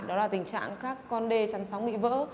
đó là tình trạng các con đê chăn sóng bị vỡ